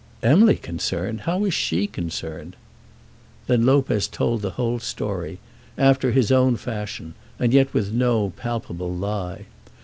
"Emily concerned! How is she concerned?" Then Lopez told the whole story, after his own fashion, and yet with no palpable lie.